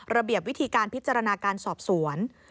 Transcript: ระเบียบวิธีการพิจารณาการสอบสวน